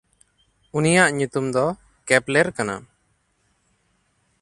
ᱩᱱᱤᱭᱟᱜ ᱧᱩᱛᱩᱢ ᱫᱚ ᱠᱮᱯᱞᱮᱨ ᱠᱟᱱᱟ᱾